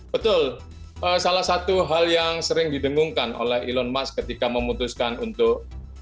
betul salah satu hal yang sering didengungkan oleh elon musk ketika memutuskan untuk